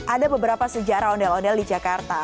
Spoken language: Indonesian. ada beberapa sejarah ondel ondel di jakarta